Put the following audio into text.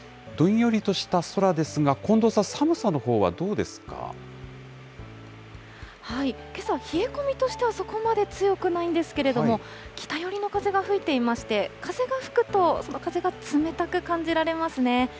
どんよりとした空ですが、近藤さん、けさ、冷え込みとしては、そこまで強くないんですけれども、北寄りの風が吹いていまして、風が吹くと、その風が冷たく感じられますね。